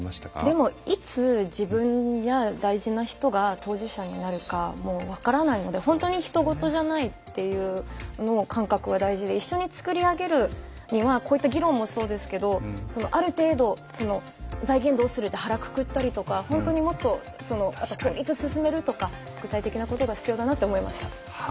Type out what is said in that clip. でもいつ自分や大事な人が当事者になるかも分からないので本当にひと事じゃないっていう感覚が大事で一緒に作り上げるにはこういった議論もそうですけどある程度「財源どうする？」で腹くくったりとか本当にもっといつ進めるとか具体的なことが必要だなって思いました。